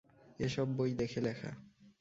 এ সব বই দেখে লেখা।